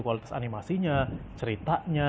kualitas animasinya ceritanya